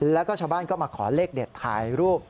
แล้วก็ชาวบ้านก็มาขอเลขเด็ดถ่ายรูป